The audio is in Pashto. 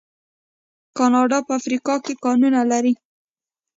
کاناډا په افریقا کې کانونه لري.